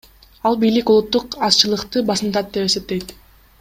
Ал бийлик улуттук азчылыкты басынтат деп эсептейт.